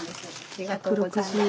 ありがとうございます。